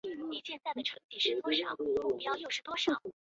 兰心大戏院是上海乃至中国现代戏剧的起点。